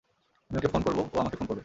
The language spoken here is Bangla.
আমি ওকে ফোন করবো, ও আমাকে ফোন করবে।